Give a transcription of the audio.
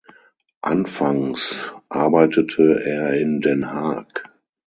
Anfangs arbeitete er in Den Haag.